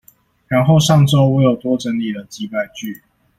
然後上週我有多整理了幾百句